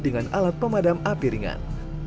dengan alat pemadam api ringan